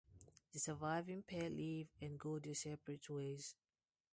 The surviving pair leave and go their separate ways.